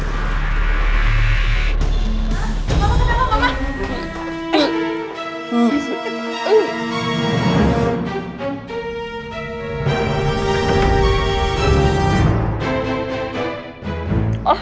mama kenapa mama